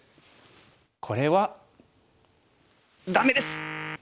これはダメです！